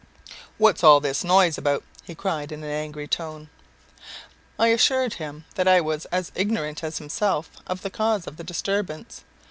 "What's all this noise about?" he cried in an angry tone. I assured him that I was as ignorant as himself of the cause of the disturbance.